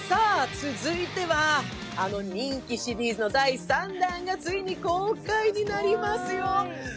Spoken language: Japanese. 続いては、あの人気シリーズの第３弾がついに公開になりますよ。